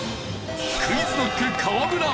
ＱｕｉｚＫｎｏｃｋ河村